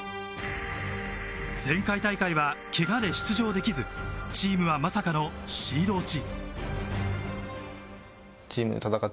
前回大会はけがで出場できず、チームはまさかのシード落ち。